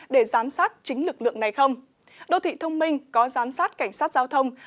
để giám sát chính lực lượng này không đô thị thông minh có giám sát cảnh sát giao thông